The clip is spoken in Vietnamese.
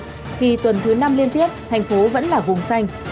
trong khi tuần thứ năm liên tiếp thành phố vẫn là vùng xanh